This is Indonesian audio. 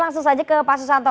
langsung saja ke pak susanto